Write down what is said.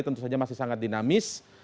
tentu saja masih sangat dinamis